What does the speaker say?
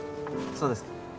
そうですか。